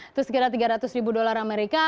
itu sekitar tiga ratus ribu dolar amerika